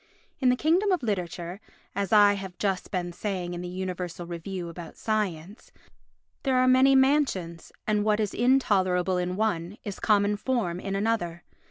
In the kingdom of literature (as I have just been saying in the Universal Review about Science) there are many mansions and what is intolerable in one is common form in another.